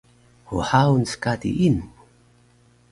hhaun skadi inu?